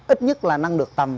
ít nhất là nâng được tầm